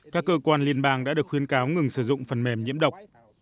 các cơ quan liên bang đã được khuyên cáo ngừng sử dụng phần mềm nhiễm độc